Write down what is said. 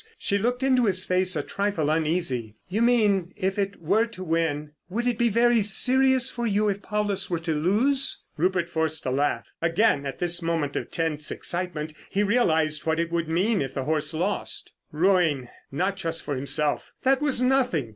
She looked into his face a trifle uneasily: "You mean if it were to win? Would it be very serious for you if Paulus were to lose?" Rupert forced a laugh. Again, at this moment of tense excitement, he realised what it would mean if the horse lost. Ruin! Not just for himself, that was nothing.